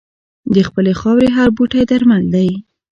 د خپلې خاورې هر بوټی درمل دی.